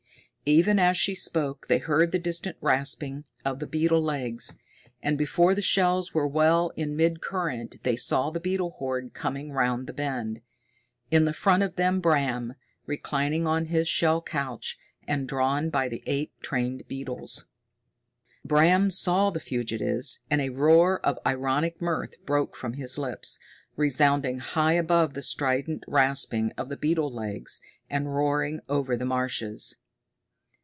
Even as she spoke they heard the distant rasping of the beetle legs. And before the shells were well in mid current they saw the beetle horde coming round the bend; in the front of them Bram, reclining on his shell couch, and drawn by the eight trained beetles. Bram saw the fugitives, and a roar of ironic mirth broke from his lips, resounding high above the strident rasping of the beetle legs, and roaring over the marshes.